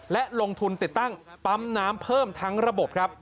และลงทุนติดตั้งปั๊มน้ำเพิ่มทั้งระบบครับ